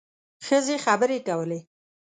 ښځې خبرې کولې.